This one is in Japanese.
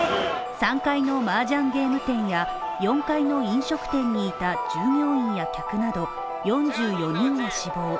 ３階の麻雀ゲーム店や４階の飲食店にいた住民や客など４４人死亡。